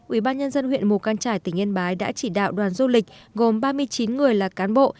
ubnd huyện mù căng trải tỉnh yên bái đã chỉ đạo đoàn du lịch gồm ba mươi chín người là cán bộ